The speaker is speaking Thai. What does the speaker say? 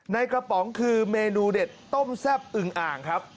ในกระป๋องคือเมนูเด็ดต้มแซ่บอึงอ่างครับ